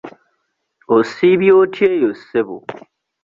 Osiibye otya eyo ssebo?